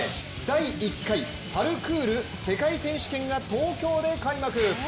第１回パルクール世界選手権が東京で開幕！